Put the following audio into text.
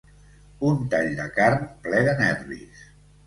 Un tall de carn ple de nervis.